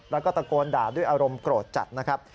แล้วก็ตะโกนด่าด้วยอารมณ์โกรธจัดนะครับ